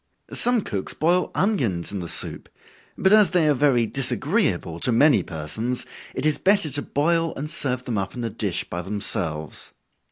Some cooks boil onions in the soup, but as they are very disagreeable to many persons, it is better to boil and serve them up in a dish by themselves.